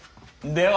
では。